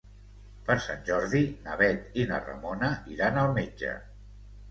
Per Sant Jordi na Bet i na Ramona iran al metge.